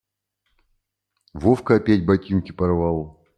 Вовка опять ботинки порвал.